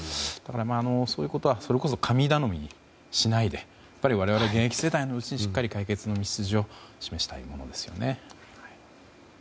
そういうことはそれこそ神頼みしないで我々、現役世代のうちにしっかり解決の道筋を示したいものですよね。